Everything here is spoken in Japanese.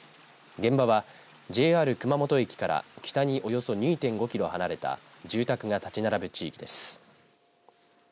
現場はＪＲ熊本駅から北におよそ２．５キロ離れた住宅が立ち並ぶ地域です。